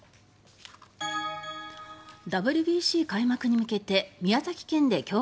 ＷＢＣ開幕に向けて宮崎県で強化